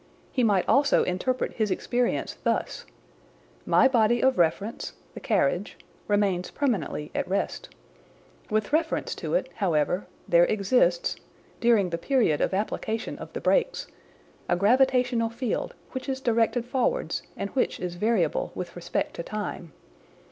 He might also interpret his experience thus: " My body of reference (the carriage) remains permanently at rest. With reference to it, however, there exists (during the period of application of the brakes) a gravitational field which is directed forwards and which is variable with respect to time.